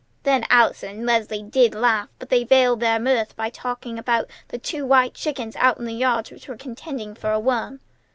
Then Allison and Leslie did laugh, but they veiled their mirth by talking about the two white chickens out in the yard which were contending for a worm.